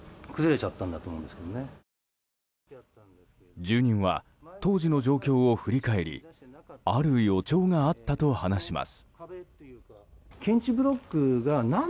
住人は当時の状況を振り返りある予兆があったと話します。